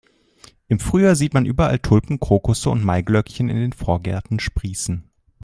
Im Frühjahr sieht man überall Tulpen, Krokusse und Maiglöckchen in den Vorgärten sprießen.